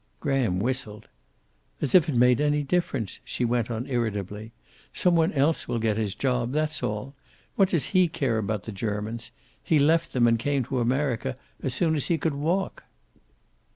Graham whistled. "As if it made any difference," she went on irritably. "Some one else will get his job. That's all. What does he care about the Germans? He left them and came to America as soon as he could walk."